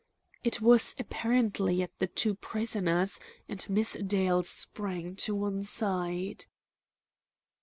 It was apparently at the two prisoners, and Miss Dale sprang to one side.